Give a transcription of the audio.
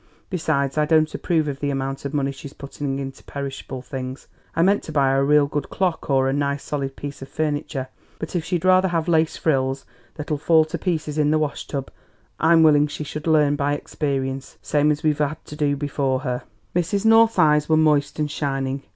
Besides I don't approve of the amount of money she's putting into perishable things. I meant to buy her a real good clock or a nice solid piece of furniture; but if she'd rather have lace frills that'll fall to pieces in the washtub, I'm willing she should learn by experience, same 's we've had to do before her." Mrs. North's eyes were moist and shining.